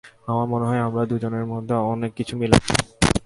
আমার মনে হয় আমারা দুজনের মধ্যে অনেককিছু মিল রয়েছে।